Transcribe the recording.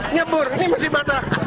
nyebur ini masih basah